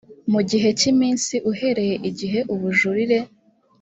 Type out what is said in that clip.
mu gihe cy iminsi uhereye igihe ubujurire